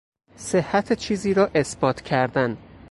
صحت چیزی را اثبات کردن